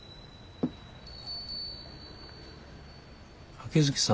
秋月さん